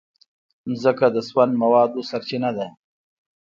مځکه د سون موادو سرچینه ده.